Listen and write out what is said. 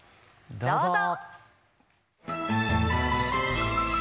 どうぞ。